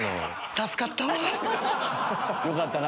助かったわ。